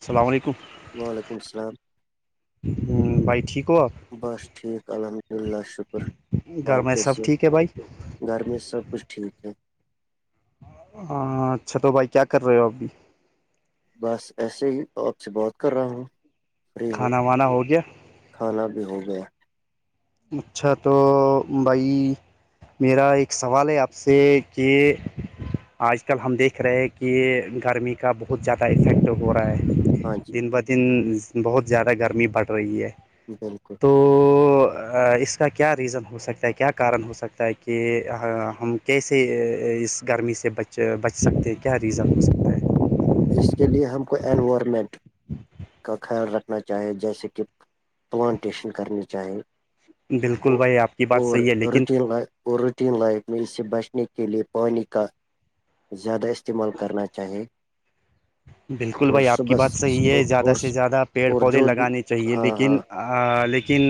السلام علیکم وعلیکم السلام ہوں بھائی ٹھیک ہو بس ٹھیک الحمد للہلہ شکر گھر آپ میں سب کیسو ٹھیک ہے بھائی گھر میں سب کچھ ٹھیک ہے ہاں اچھا تو بھائی کیا کر رہے ہو اب بھی بس ایسے ہی تو آپ سے بہات کر رہا ہوں فری ہو کھانا وانا ہو گیا کھانا بھی ہو گیا اچھا تو بئی میرا ایک سوال ہے آپ سے کہ آج کل ہم دیکھ رہے کہ گرمی کا بہت زیادہ افیکٹ ہو ہو رہا ہے ہاں جی دن ب دن بہت زیادہ گرمی بڑھ رہی ہے بالکل تو اس کا کیا ریزن ہو سکتا ہے کیا کارن ہو سکتا ہے کہ ہم کیسے اس گرمی سے بچ بچ سکتے ہیں کیا ریزن ہوکتا اس کے لیے ہم کو انوائرمنٹ کا خیال رکھنا چاہے جیسے کہ پلانٹیشن کرنی چاہی بالکل بھائی آپ کی بات صحیح ہے لیکن روٹین اور روٹین لائف میں اس سے بچنے کے لیے پانی کا زیادہ استعمال کرنا چاہیے بالکل اور بھائی آپ کی بات صحیح صبح ہے زیادہ اور سے زیادہ پیڑ اور پودے جو بھی لگانے چاہیے ہاں ہاں لیکن لیکن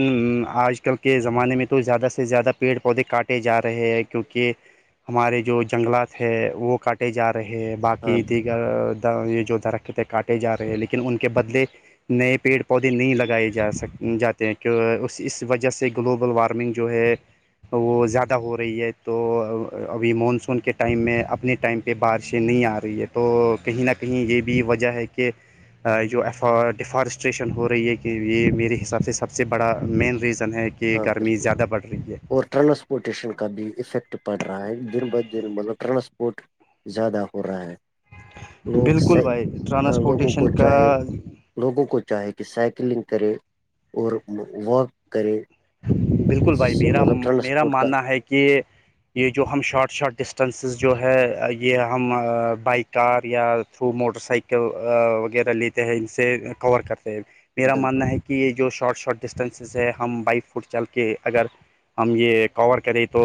آج کل کے زمانے میں تو زیادہ سے زیادہ پیڑ پودے کاٹ کاٹے جا رہے ہیں کیوںکہ ہمارے جو جنگلات ہے وہ کاٹے جا رہے ہیں ہاں باقی دیگر یہ جو درختیں کاٹے جا رہے ہیں لیکن ان کے بدلے نئے پیڑ پودے نہیں لگائے جا سک جاتے ہیں کی اس اس وجہ سے گلوبل وارمنگ جو ہے وہ زیادہ ہو رہی ہے تو ابھی مانسون کے ٹائم میں اپنے ٹائم پہ بارشیں نہیں آ رہی ہیں تو کہیں نہ کہیں یہ بھی وجہ ہے کہ جو ڈیفارسٹریشن ہو رہی ہے کہ یہ میرے حساب سے سب سے بڑا مین ریزن ہے کہ ہاں گرمی بالکل زیادہ بڑھ رہی ہے اور ٹرانسپورٹیشن کا بھی افیکٹ پڑ رہا ہے دن بہدن مطلب ٹرانسپورٹ زیادہ ہو رہا ہے لوگ بالکل بھائی لوگوں کو ٹرانسپورٹیشن کا چاہے لوگوں کو چاہے کہ سائیکلنگ کرے اور واک کریں بالکل بھائی میرا میرا کا ماننا ہے کہ یہ جو ہم شارٹ شارٹ ڈسٹینسز جو ہے یہ ہم بائک کار یا تھرو موٹر سائیکل وغیرہ لیتے ہیں ان سے کور کرتے ہیں میرا بالکل ماننا ہے کہ یہ جو شارٹ شارٹ ڈسٹینسز ہے ہم بائک فٹ چل کے اگر ہم یہ کور کریں تو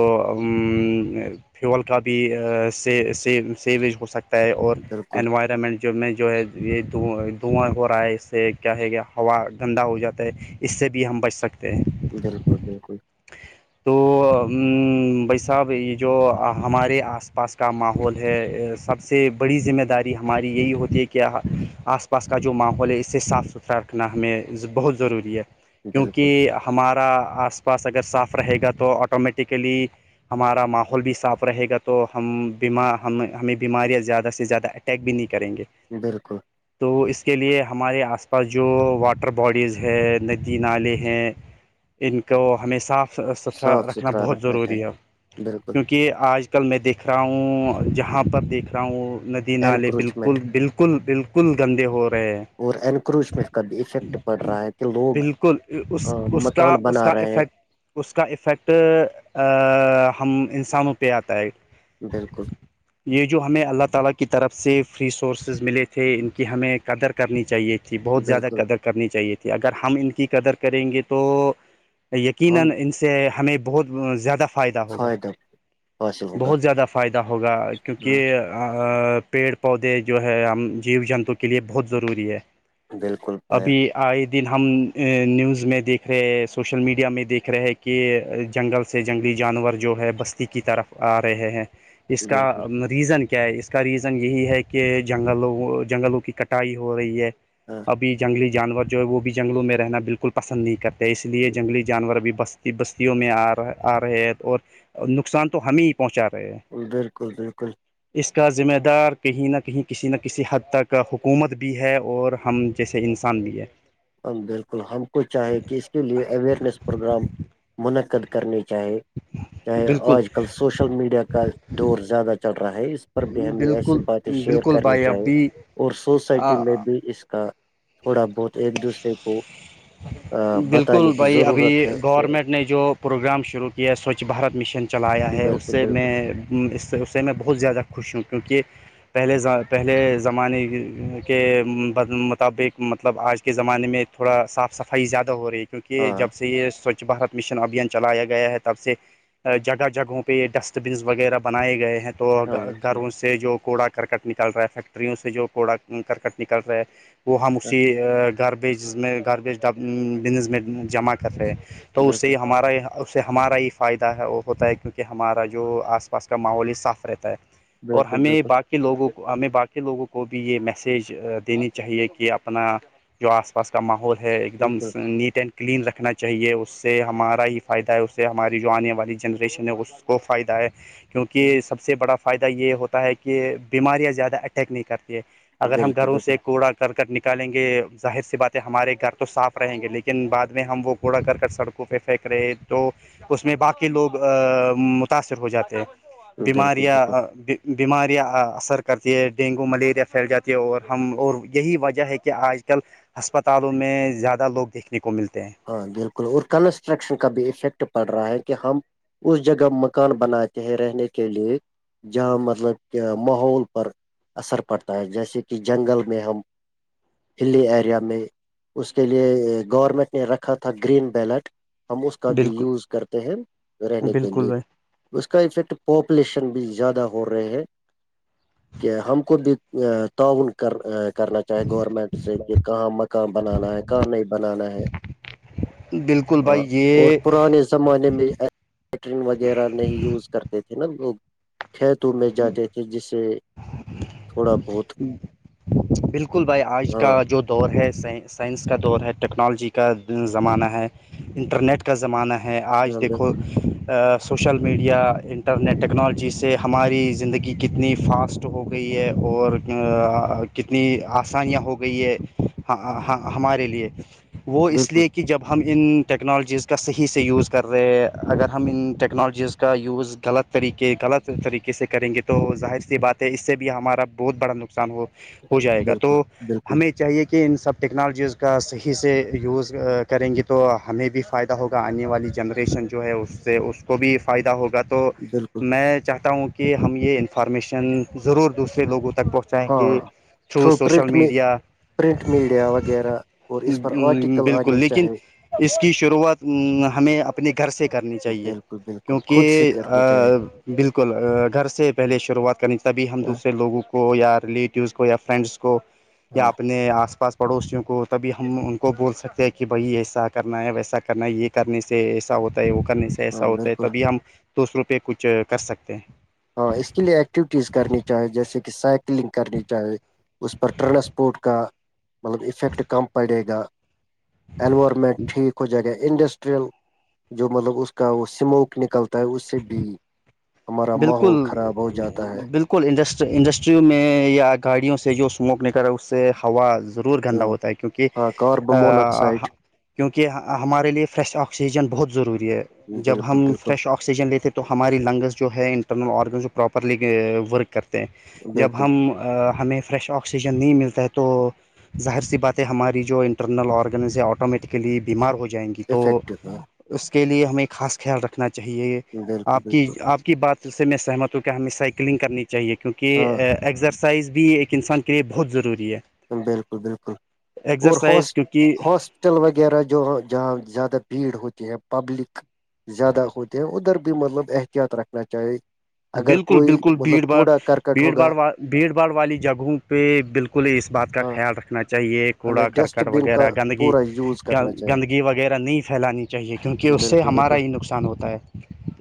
فیول کا بھیی سیویج ہو سکتا ہے اور بالکل انوائرمنٹ جو میں جو ہے یہ دھواں دھواں ہو رہا ہے اس سے کیا ہے کہ ہوا گندا ہو جاتا ہے اس سے بھی ہم بچ سکتے ہیں بالکل بالکل تو بھائی صاحب یہ جو ہمارے آس پاس کا ماحول ہے سب سے بڑی ذمہ داری ہماری یہی ہوتی ہے کہ آس پاس کا جو ماحول ہے اس سے صاف ستھرا رکھنا ہمیں بہت ضروری ہے بالکل کیونکہ ہمارا ا آس پاس اگر صاف رہے گا تو آٹومیٹیکلی ہمارا ماحول بھی صاف رہے گا تو ہم بیم ہم ہمیں بیماریاں زیادہ سے زیادہ پیک بھی نہیں کریں گے بالکل تو اس کے لیے ہمارے آس پاس جو واٹر باڈیز ہے ندی نالے ہیں ان کو ہمیں صاف ستھرا صاف رکھنا ستھرا بہت ضروری چاہیے ہے بالکل کیونکہ کہ آج کل میں دیکھ رہا ہوں جہاں پر دیکھ رہا ہوں میں نالے انکروچمنٹ بالکل بالکل بالکل گندے ہو رہے ہیں اور انکروچمنٹ کا بھی افیکٹ پڑ رہا ہے کہ لوگ بالکل اس کا مکان اس بنا کا رہے ہیں افیکٹ اس کا افیکٹ ہم انسانوں پہ آتا ہے بالکل یہ جو ہمیں اللہ تعالی کی طرف سے فری سورسز ملے تھے ان کی ہمیں قدر کرنی چاہیے تھی تھی بہت زیادہ بالکل قدر کرنی چاہیے تھی اگر ہم ان کی قدر کریں گے تو یقینا ہم ان سے ہمیں بہت زیادہ فائدہ ہوگا حاصل ہوگا بہت زیادہ فائدہ ہوگا کیونکہ پیڑ پودے جو ہے ہم جیو جنتو کے لیے بہت ضروری ہے بالکل پایا ابھی آئے دن ہم نیوز میں دیکھ رہے سوشل میڈیا میں دیکھ رہے ہے کہ جنگل سے جنگلی جانور جو ہے بستی کی طرف آ رہے ہیں اس کا بالکل ریزن کیا ہے اس کا ریزن یہی ہے کہ جنگلوں جنگلوں کی کٹائی ہو رہی ہے ہاں بھی جنگلی جانور جو ہے وہ بھی جنگلوں میں رہنا بالکل پسند نہیں کرتے اس لیے جنگلی جانور بھی بس بستیوں میں آ رہا آ رہے ہے اور نقصان تو ہمیں ہی پہنچا رہے ہیں بالکل بالکل اس کا ذمہ دار کہیں نہ کہیں کسی نہ کسی حد تک حکومت بھی ہے اور ہم جیسے انسان بھی ہے بالکل ہم کو چاہے کہ اس کے لیے اورنیس پروگرام منعقد کرنے چاہیے جی چاہے آج کل سوشل میڈیا کا دور زیادہ چل رہا ہے اس پر بھی ہمیں ایسی باتیں شیئر بل کرنی چاہیے بائییابی اور سوسائٹی میں بھی اس کا تھوڑا بہت ایک دوسرے کو بتانے بالکل کی بھائی ابھی ضرورت ہے کہ گورنمنٹ نے جو پروگرام شروع کیا ہے سوچھ بھارت مشن چلایا ہے اس بالکل سے بالکل میں اس سے اس سے میں بہت زیادہ خوش ہوں کیونکہ پہلے پہلے زمانے کے مطابق مطلب آج زمانے میں تھوڑا صاف صفائی زیادہ ہو رہی ہے ہاں کیونکہ جب سے یہ سچ سوچھ بارت مشن ابھیان چلایا گیا ہے تب سے جگہ جگہوں پہ یہ ڈسٹ بنس وغیرہ بنائے گئے ہیں تو ہاں بالکل گھروں سے سے جو کوڑا کرکٹ نکل رہا ہے فیکٹریوں سے جو کوڑا کرکٹ نکل رہا ہے وہ ہم اسی گاربیجز میں گاربیج بزنس میں جمع کر رہے تو اس سے بالکل ہی ہمارا یہاں اس سے ہمارا ہی فائدہ ہے وہ ہوتا ہے کیونکہ ہمارا جو آس پاس کا ماحول یہ صاف رہتا ہے اور بالکل ہمیں باقی کے لوگوں کو ہمیں باقی لوگوں کو بھی یہ میسیج دینی چاہیے کہ اپنا جو آس پاس کا ماحول ہے ایک دم بالکل نیٹ اینڈ کلین رکھنا چاہیے اس سے ہمارا ہی فائدہ ہے اس سے ہماری جو آنے والی جنریشن ہے اس کو فائدہ ہے بالکل کیونکہ سب سے بڑا فائدہ یہ ہوتا ہے کہ بیماریاں زیادہ اٹیک نہیں کرتی اگر ہم بالکل گھروں سے کوڑا کرکٹ نکالیں گے ظاہر سی بات ہے ہمارے گھر تو صاف رہیں گے لیکن بعد میں ہم وہ کوڑا کر کر سڑکوں پہ پھینک رہے ہیں تو اس میں باقی لوگ متاثر ہو جاتے ہیں بالکل بیماریاں بالکل بیماریاں اثر کرتی ہے ڈینگو ملیریا پھیل جاتی ہے اور ہم اور یہی وجہ ہے کہ آج آ کل ہسپتالوں میں زیادہ لوگ دیکھنے کو ملتے ہیں ہاں بالکل اور کنسٹرکشن کا بھی افیکٹ پڑ رہا ہے کہ ہم اس جگہ مکان بناتے ہیں رہنے کے لیے جہاں مطلب کہ ماحول پر اثر پڑتا ہے جیسے کہ جنگل میں ہم ہلی ایریا میں اس کے لیے گورنمنٹ رکھا تھا گرین بیلٹ ہم اس کا بھی بالکل یوز کرتے ہیں رہنے کے بالکل لیے بھائی اس کا افیکٹ پاپولیشن بھی زیادہ ہو رہے ہے کہ ہم کو بھی تعاون کر کرنا چاہ چاہے گورنمنٹ سے کہ کہاں مکان بنانا ہے کہاں نہیں بنانا ہے بالکل بھائی اور یہ پرانے زمانے میںٹرین وغیرہ نہیں یوز کرتے تھے نا لوگ کھیتوں میں جاتے تھے جسے بالکل بھائی آج ہاں کا جو دور ہے سائنس کا دور ہے ٹیکنالوجی کا زمانہ ہے انٹرنیٹ کا زمانہ ہے ہیں آج ہاں دیکھو بالکل سوشل میڈیا انٹرنیٹ ٹیکنالوجی سے ہمارے میری زندگی کتنی فاسٹ ہو گئی ہے اور کتنی آسانیاں ہو گئی ہے ہاں ہاں ہمارے لیے وہ اس بالکل لیے کہ جب ہم ان ٹیکنالوجیز کا صحیح سے یوز کر رہے ہیں اگر ہم ان ٹیکنالوجیز کا یوز غلط طریقے غلط طریقے سے کریں گے تو ظاہر سی بات ہے اس سے بھی ہمارا بہت بڑا نقصان ہو ہو جائے گا بالکل تو بالکل ہمیں چاہیے کہ ان سب ٹیکنالوجیز کا صحیح سے یوز کریں گی تو ہمیں بھی فائدہ ہوگا آنے والی جنریشن جو ہے اس سے اس کو بھی فائدہ ہوگا تو بالکل میں چاہتا ہوں کہ ہم یہ انفارمیشن ضرور دوسرے لوگوں تک پہنچ چاہے کہ ہاں تھرو سوشل پرنٹ میں میڈیا پرنٹ میڈیا وغیرہ اور اس پر آرٹیکل بالکل آنے لیکن چاہیں اس کی شروعات ہمیں اپنے گھر سے کرنی چاہیے بالکل بالکل خود سے کیونکہ کرنی چاہیے بالکل گھر سے پہلے شروعات کرنی تبھی ہم ہاں دوسرے لوگوں کو یا ریلیٹیوس کو یا فرینڈس کو یا ہاں اپنے اپنے آس پاس پڑوسیوں کو تبھی ہم ان کو بول سکتے ہیں کہ بھائی ایسا کرنا ہے ویسا کرنا ہے یہ کرنے سے ایسا ہوتا ہے وہ کرنے سے ایسا ہاں ہوتا ہے بالکل تبھی ہم دوسروں پہ کچھ کر سکتے ہیں ہاں اس کے لیے ایکٹیوٹیز کرنی چاہی جیسے کہ سائکلنگ کرنی چاہے اس پر ٹرانسپورٹ کا مطلب افیکٹ کم پڑے گا ایور میں ٹھیک ہو جگہ انڈسٹریل جو مطلب اس کا وہ اسموک نکلتا ہے اس سے بھی ہمار ماحول خراب ہو جاتا ہے ان انڈسٹریوں میں یا گاڑیوں سے جو سموک ل کر رہا اس سے ہوا ضرور گندا ہوتا ہے کیونکہ ہاں کارب مناکسائڈ کیونکہ ہمارے لیے فریش آکسیجن بہت ضروری ہے جب بالکل ہم بالکل فریش آکسیجن لیتے تو ہماری لنگز جو ہے انٹرنل آرگنس جو پراپرلی ورک کرتے ہیں جب بالکل ہم ہمیں فریش آکسیجن نہیں ملتا ہے تو ظاہر سی بات ہے ہماری جو انٹرنل آرگنز ہے آٹومیٹکلی بیمار ہو جائیں گی تو افیکٹو ہے اس کے لیے ہمیں خاص خیال رکھنا چاہیے بالکل آپ کی بالکل آپ بات سے میں سہمت ہوں کہ ہمیں سائیکلنگ کرنی چاہیے کیونکہ ہاں ایگزر سائز بھی ایک انسان کے لیے بہت ضروری ہے بالکل بالکل اور ہس ایکزرسائز کیونکہ ہسٹ ہوٹل وغیرہ جو جہاں زیادہ بھیڑ ہوتی ہے پبلک زیادہ ہوتے ہیں ادھر بھی مطلب احتیاط رکھنا چاہیے اگر بالکل کوئی بالکل مطلب بھیڑ بھڑ کوڑا کرکٹ بھیڑ ہوگا بھڑ وا بھیڑ باڑ والی جگہوں پہ بالکل اس بات کا ہاں خیال رکھنا چاہیے ہمیں کوڑا ڈسٹ کرکٹ بین کا وغیرہ گندگی پورا یوز کرنا چاہیے گندگی وغیرہ نہیں پھیلانی چاہیے کیونکہ اس سے بالکل ہمارا بالکل ہی نقصان ہوتا ہے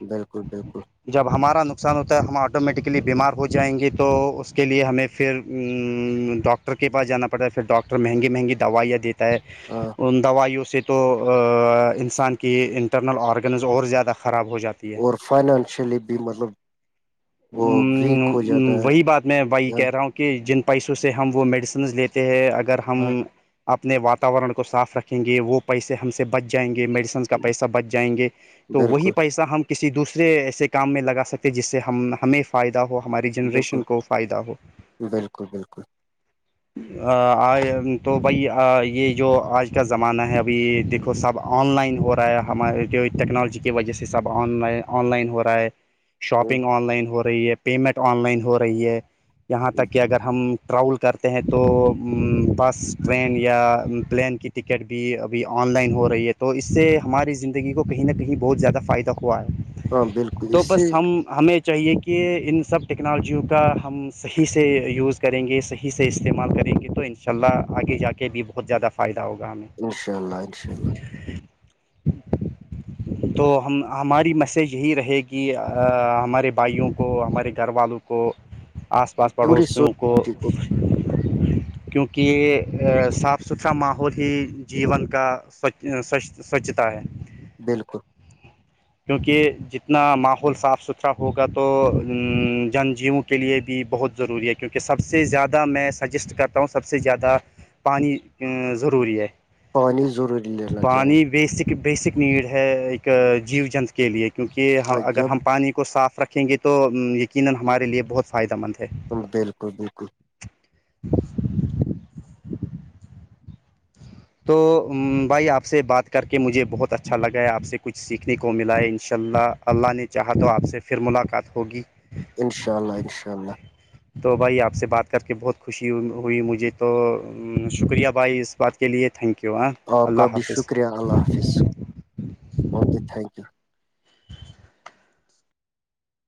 بالکل بالکل جب ہمارا نق نقصان ہوتا ہے ہم آٹومیٹکلی بیمار ہو جائیں گے تو اس کے لیے ہمیں پھر ڈاکٹر ڈاکٹر کے پاس جانا پڑتا ہے پھر ڈاکٹر مہنگی مہنگی دوائیاں دیتا ہے ہاں ان دوائیوں سے تو انسان کی انٹرنل آرگنز اور زیادہ خراب ہو جاتے اور فائنانشلی بھی مطلب وہ ویک ہو جاتا وہی ہے بات میں وہی ہاں کہہ رہا ہوں کہ جن پیسوں سے ہم وہ میڈیسنز لیتے ہیں اگر ہم ہاں اپنے واتاورن کو صاف رکھیں گے وہ پیسے ہم سے بچ جائیں گے میڈیس کا پیسہ بچ جائیں گے تو وہی بالکل پیسہ ہم کسی دوسرے ایسے کام میں لگا سکتے تھے جس سے ہم ہمیں فائدہ ہو ہماری بالکل جنریشن کو فائدہ ہو بالکل بالکل تو بھائی یہ جو آج کا زمانہ ہے ابھی دیکھو تو سب آن لائن ہو رہا ہے ہمارے جو ٹیکنالوجی کی وجہ سے سب آن لائن آن لائن ہو رہا ہے شاپنگ آن لائن ہو رہی ہے پیمنٹ آن لائن ہو رہی ہے یہاں تک کہ اگر ہم ٹراول کرتے ہیں تو بس ٹرین یا پلین کی ٹکٹ ٹکٹ بھی ابھی آن لائن ہو رہی ہے تو اس سے ہماری زندگی کو کہیں نہ کہیں بہت زیادہ فائدہ ہوا ہے ہاں بالکل تو اس سے بس ہم ہمیں چاہیے کہ ان سب ٹیکنالوجیوں کا ہم صحیح سے یوز کریں گے صحیح سے استعمال کریں گے تو ان شاء اللہ آگے جا کے بھی بہت زیادہ فائدہ ہوگا ہمیں انشاء اللہ انشاء اللہ تو ہم ہماری میسج یہی رہے گی ہمارے بھائیوں کو ہمارے گھر والوں کو آس پاس پوری پڑوسیوں کو سوسائٹی [unintelligible] کیونکہ یہ صاف ستھرا ماحول ہی جیون کا سچ سچ سوچھتا ہے بالکل کیونکہ جتنا ماحول صاف ستھرا ہوگا تو جن جی کے لیے بھی بہت ضروری ہے کیونکہ سب سے زیادہ میں سجیسٹ کرتا ہوں سب سے زیادہ پانی ضروری ہے پانی ضروری لینا چاہیے پانی بیسک بیسک نیڈ ہے ایک جیو جنتر کے لیے کیونکہ اور اگر جب ہم پانی مساف رکھیں گے تو یقینا ہمارے لیے بہت فائدہ مند ہے بالکل بالکل [unintelligible] تو بھائی آپ سے بات کر کے مجھے بہت اچھا لگا ہے آپ سے کچھ سیکھنے کو ملا ہے ان شاء اللہ اللہ نے چاہا تو آپ سے پھر ملاقات ہوگی انشاء اللہ انشاء اللہ تو بھائی آپ سے بات کر کے بہت خوشی ہوئی مجھے تو شکریہ بھائی اس بات کے لیے تھینک یو ہاں آپ کا اللہ بھی حافظ شکریہ اللہ حافظ اوکے تھینک یو